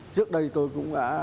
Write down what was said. trước đây tôi cũng đã